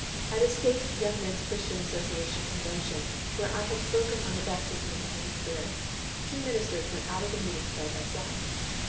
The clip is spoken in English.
At a state Young Men's Christian Association Convention, where I had spoken on the Baptism with the Holy Spirit, two ministers went out of the meeting side by side.